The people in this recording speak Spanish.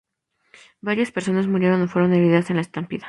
Varias personas murieron o fueron heridas en la estampida.